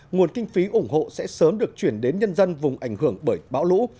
nguồn kinh phí ủng hộ sẽ sớm được chuyển đến nhân dân vùng ảnh hưởng bởi bão lũ